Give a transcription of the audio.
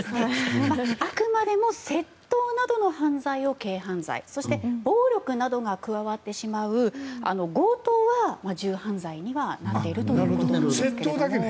あくまでも窃盗などの犯罪を軽犯罪そして暴力などが加わってしまう強盗は重犯罪にはなっているということですけども。